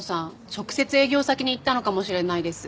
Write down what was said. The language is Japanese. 直接営業先に行ったのかもしれないです。